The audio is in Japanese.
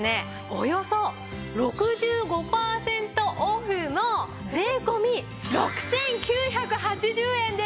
およそ６５パーセントオフの税込６９８０円です！